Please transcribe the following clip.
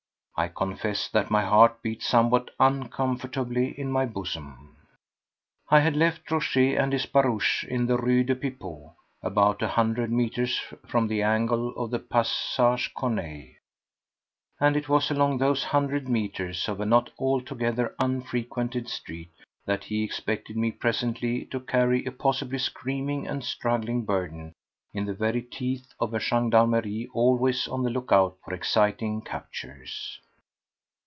I confess that my heart beat somewhat uncomfortably in my bosom. I had left Rochez and his barouche in the Rue des Pipots, about a hundred metres from the angle of the Passage Corneille, and it was along those hundred metres of a not altogether unfrequented street that he expected me presently to carry a possibly screaming and struggling burden in the very teeth of a gendarmerie always on the look out for exciting captures.